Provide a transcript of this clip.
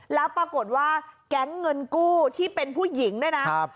แล้วปรากฏว่าแก๊งเงินกู้ที่เป็นผู้หญิงด้วยนะ